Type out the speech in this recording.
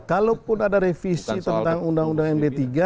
walaupun ada revisi tentang undang undang mp tiga